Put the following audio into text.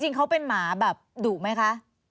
จริงเขาเป็นหมาแบบดุไหมคะ